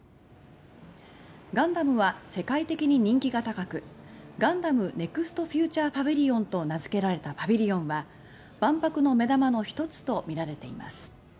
ガンダムは世界的に人気が高く「ガンダムネクストフューチャーパビリオン」と名付けられたパビリオンは万博の目玉の１つとみられています。